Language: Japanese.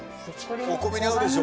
お米に合うでしょ！